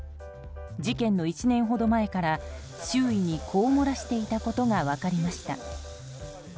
事件の１年ほど前から周囲にこう漏らしていたことが分かりました。